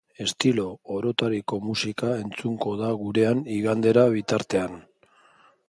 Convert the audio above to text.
Estilo orotariko musika entzungo da gurean igandera bitartean.